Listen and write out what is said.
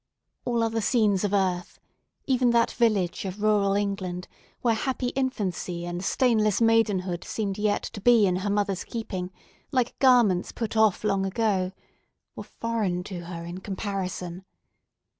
All other scenes of earth—even that village of rural England, where happy infancy and stainless maidenhood seemed yet to be in her mother's keeping, like garments put off long ago—were foreign to her, in comparison.